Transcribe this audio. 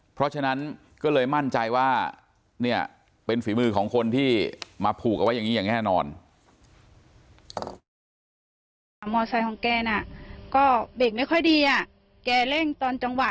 เพราะฉะนั้นก็เลยมั่นใจว่าเนี่ยเป็นฝีมือของคนที่มาผูกเอาไว้อย่างนี้อย่างแน่นอน